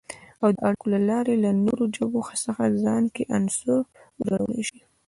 او د اړیکو له لارې له نورو ژبو څخه ځان کې عناصر ورګډولای شي